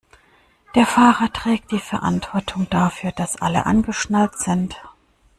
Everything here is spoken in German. Der Fahrer trägt die Verantwortung dafür, dass alle angeschnallt sind.